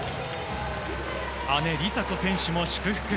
姉・梨紗子選手も祝福。